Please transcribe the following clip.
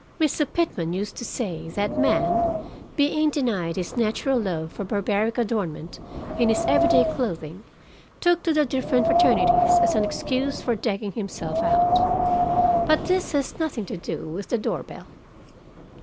Mr. Pitman used to say that man, being denied his natural love for barbaric adornment in his every day clothing, took to the different fraternities as an excuse for decking himself out. But this has nothing to do with the door bell.